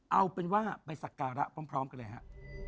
เอาเป็นว่าไปสักการะพร้อมกันเลยฮะ